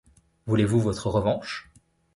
Voulez-vous votre revanche ?